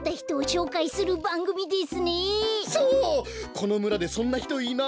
このむらでそんなひといない？